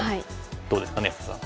どうですかね安田さん。